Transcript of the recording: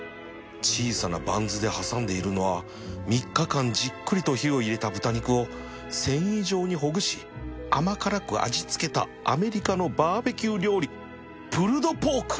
小さなバンズで挟んでいるのは３日間じっくりと火を入れた豚肉を繊維状にほぐし甘辛く味付けたアメリカのバーベキュー料理プルドポーク